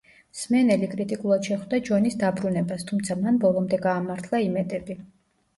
მსმენელი კრიტიკულად შეხვდა ჯონის დაბრუნებას, თუმცა მან ბოლომდე გაამართლა იმედები.